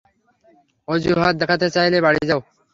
অযুহাত দেখাতে চাইলে বাড়ি যাও।